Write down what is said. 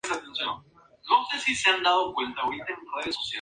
Al día siguiente, los franceses pudieron entrar desarmados a recoger sus cadáveres.